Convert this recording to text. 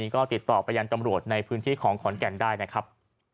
ก็ติดต่อไปยังตำรวจในพื้นที่ของขอนแก่นได้นะครับ